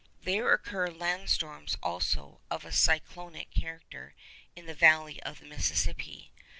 There occur land storms, also, of a cyclonic character in the valley of the Mississippi.